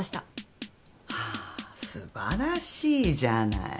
はぁすばらしいじゃない。